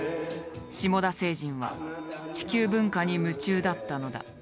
シモダ星人は地球文化に夢中だったのだ。